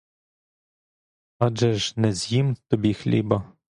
Адже ж не з'їм тобі хліба!